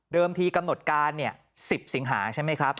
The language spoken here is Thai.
เดิมทีกำหนดการเนี่ย๑๐สิงหาใช่ไหมครับ